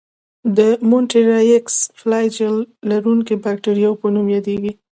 د مونټرایکس فلاجیل لرونکو باکتریاوو په نوم یادیږي.